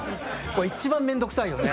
一番面倒くさいよね。